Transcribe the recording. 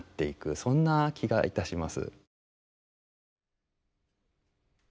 そんな気がいたします。